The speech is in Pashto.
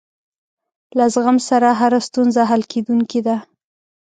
له زغم سره هره ستونزه حل کېدونکې ده.